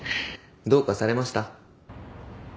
どうかされました？